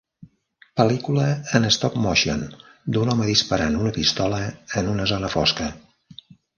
Pel·lícula en stop-motion d'un home disparant una pistola en una zona fosca.